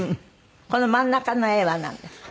この真ん中の絵はなんですか？